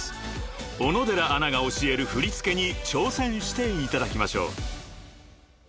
［小野寺アナが教える振り付けに挑戦していただきましょう］